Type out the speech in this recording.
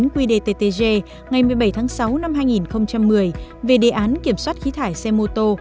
quy đề ttg ngày một mươi bảy tháng sáu năm hai nghìn một mươi về đề án kiểm soát khí thải xe mô tô